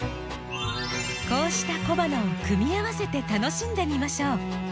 こうした小花を組み合わせて楽しんでみましょう。